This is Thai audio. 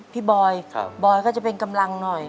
บอยบอยก็จะเป็นกำลังหน่อย